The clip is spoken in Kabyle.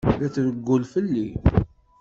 La trewwel fell-i.